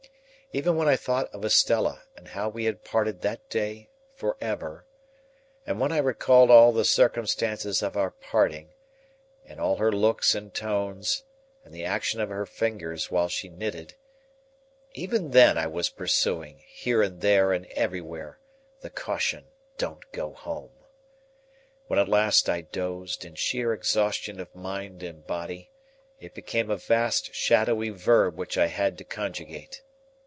Even when I thought of Estella, and how we had parted that day forever, and when I recalled all the circumstances of our parting, and all her looks and tones, and the action of her fingers while she knitted,—even then I was pursuing, here and there and everywhere, the caution, Don't go home. When at last I dozed, in sheer exhaustion of mind and body, it became a vast shadowy verb which I had to conjugate.